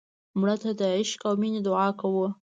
مړه ته د عشق او مینې دعا کوو